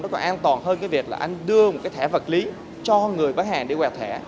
nó còn an toàn hơn cái việc là anh đưa một cái thẻ vật lý cho người bán hàng để quẹt thẻ